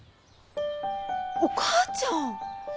お母ちゃん！